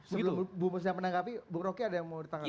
sebelum bu musa menanggapi bu roky ada yang mau ditangani